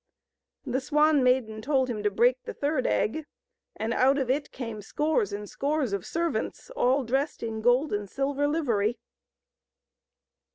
The Swan Maiden told him to break the third egg, and out of it came scores and scores of servants all dressed in gold and silver livery.